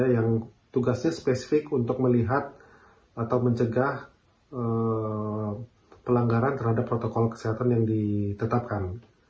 yang tugasnya spesifik untuk melihat atau mencegah pelanggaran terhadap protokol kesehatan yang ditetapkan